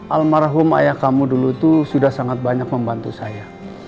almarhum ayah kamu dulu itu sudah sangat banyak membantu saya